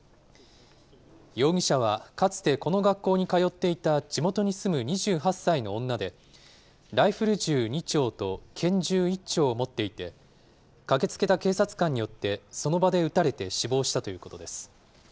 容疑者はかつてこの学校に通っていた地元に住む２８歳の女で、ライフル銃２丁と拳銃１丁を持っていて、駆けつけた警察官によってその場で撃たれて死亡したということです。